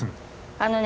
あのね